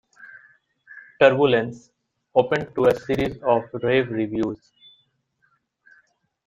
"Turbulence" opened to a series of rave reviews.